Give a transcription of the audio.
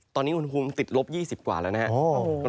ตอนนี้อุณหภูมิติดลบ๒๐กว่าแล้วนะครับ